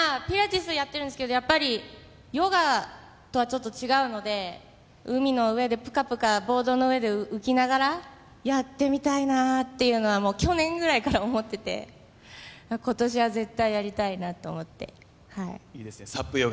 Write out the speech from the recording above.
ピラティスやってるんですけどやっぱりヨガとはちょっと違うので海の上でプカプカボードの上で浮きながらやってみたいなっていうのは去年ぐらいから思ってて今年は絶対やりたいなと思っていいですね